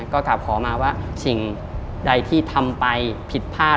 ก็กลับขอมาว่าสิ่งใดที่ทำไปผิดพลาด